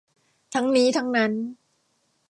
ทั้งนี้ทั้งนั้น